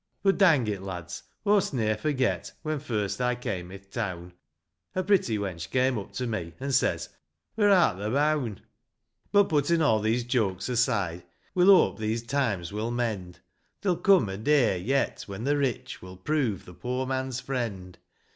But dang it, lads ! aw'st ne'er forget, When first I came i' th' town, A pretty wench came up to me, And says, " Where art thou boun' ?" SOJVGS OF LANCASHIRE. 193 But putting all these jokes aside, We'll hope these times will mend ; There'll come a day yet when the rich Will prove the poor man's friend.